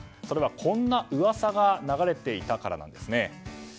それは、こんな噂が流れていたからなんですね。